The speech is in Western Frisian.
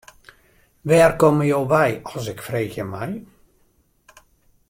Wêr komme jo wei as ik freegje mei.